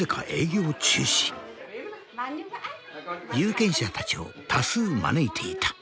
有権者たちを多数招いていた。